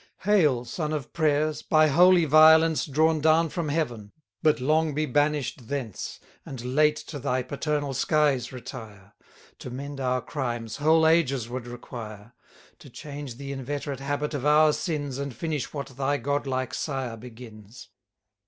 Hail, son of prayers! by holy violence Drawn down from heaven; but long be banish'd thence, And late to thy paternal skies retire: To mend our crimes, whole ages would require; To change the inveterate habit of our sins, And finish what thy godlike sire begins.